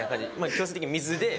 強制的に水で。